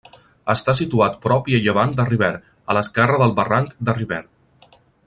Està situat prop i a llevant de Rivert, a l'esquerra del barranc de Rivert.